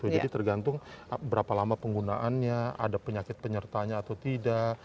jadi tergantung berapa lama penggunaannya ada penyakit penyertanya atau tidak